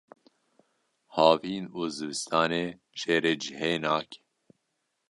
havîn û zivistanê jê re cihê nake.